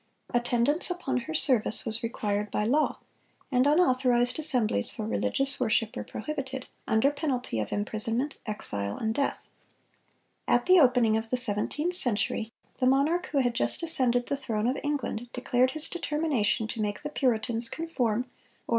Attendance upon her service was required by law, and unauthorized assemblies for religious worship were prohibited, under penalty of imprisonment, exile, and death. At the opening of the seventeenth century the monarch who had just ascended the throne of England declared his determination to make the Puritans "conform, or ...